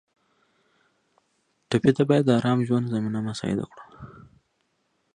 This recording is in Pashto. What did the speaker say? ټپي ته باید د ارام ژوند زمینه مساعده کړو.